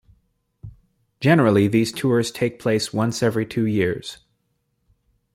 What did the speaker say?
Generally these tours take place once every two years.